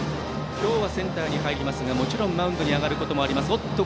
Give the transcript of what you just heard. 今日はセンターに入りますがもちろんマウンドに上がることもあります。